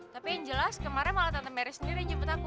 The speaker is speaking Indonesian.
tapi yang jelas kemarin malah tante merry sendiri yang jemput aku